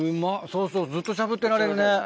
そうそうずっとしゃぶってられるね。